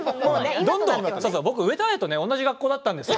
僕、上戸彩と同じ学校だったんですよ。